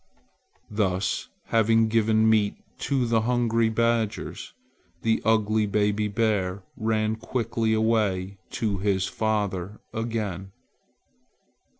Thus having given meat to the hungry badgers, the ugly baby bear ran quickly away to his father again.